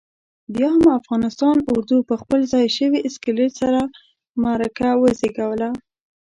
بیا هم افغانستان اردو پخپل ځپل شوي اسکلیت سره معرکه وزېږوله.